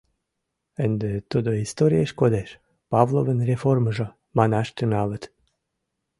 — Ынде тудо историеш кодеш: «Павловын реформыжо» манаш тӱҥалыт.